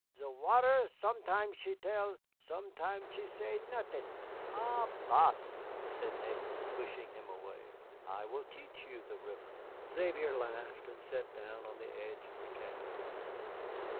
Ze water, sometime she tell, sometime she say not'ing." "À bas, Xavier!" said Nick, pushing him away, "I will teach you the river." Xavier laughed, and sat down on the edge of the cabin.